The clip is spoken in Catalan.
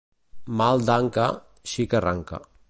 Mal d'anca, xica ranca.